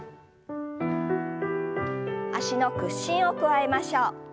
脚の屈伸を加えましょう。